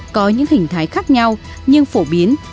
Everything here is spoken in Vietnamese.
có những hình thái khác nhau nhưng phổ biến